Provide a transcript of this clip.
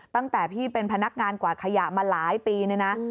ตั้งแต่พี่เป็นพนักงานกวาดขยะมาหลายปีเนี่ยนะ